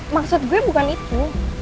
maksud gue bukan itu